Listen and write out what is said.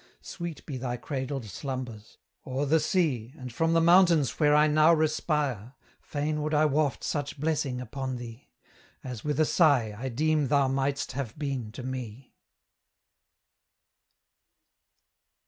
Sweet be thy cradled slumbers! O'er the sea, And from the mountains where I now respire, Fain would I waft such blessing upon thee, As, with a sigh, I deem thou mightst have been to me!